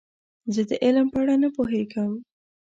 زه د علم په اړه نه پوهیږم.